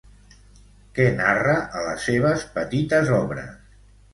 Què narra a les seves petites obres?